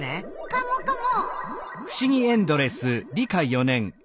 カモカモ！